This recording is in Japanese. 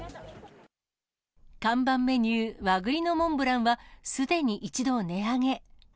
看板メニュー、和栗のモンブランは、すでに一度値上げ。